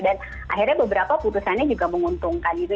dan akhirnya beberapa putusannya juga menguntungkan gitu